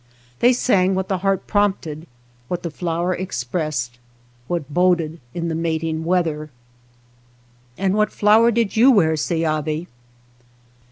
They sang what the heart prompted, what the flower expressed, what boded in the mating weather. 171 THE BASKET MAKER " And what flower did you wear, Se ^avi